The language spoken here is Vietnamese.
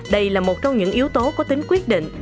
đây là một trong những yếu tố có tính quyết định